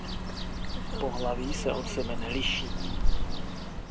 Pohlaví se od sebe neliší.